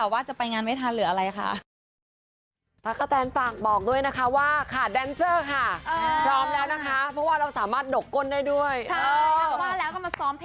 ว่าจะไปงานไม่ทันหรืออะไรค่ะ